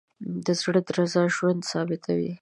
د زړه درزا ژوند ثابتوي.